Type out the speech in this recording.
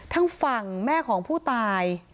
ทางฝั่งแม่ของผู้ตาย